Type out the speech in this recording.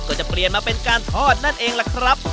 ก็จะเปลี่ยนมาเป็นการทอดนั่นเองล่ะครับ